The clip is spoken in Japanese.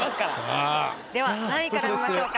では何位から見ましょうか？